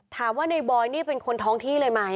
ถามว่าในบอยนี่เป็นคนท้องที่เลยไหม